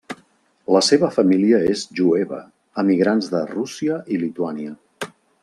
La seva família és jueva, emigrants de Rússia i Lituània.